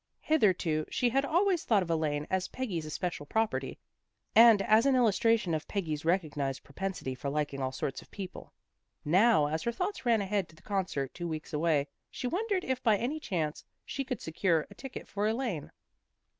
Hitherto she had always thought of Elaine as Peggy's especial property, and as an illustration of Peggy's recognized propensity for liking all sorts of people. Now as her thoughts ran ahead to the concert two weeks away, she wondered if by any chance she could secure a ticket for Elaine.